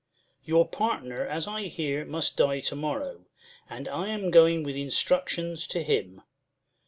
Your partner, as I hear, must die to morrow ; And I am going with instructions to him.